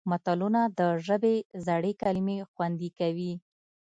متلونه د ژبې زړې کلمې خوندي کوي